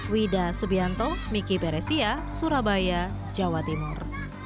wida subianto miki peresia surabaya jawa timur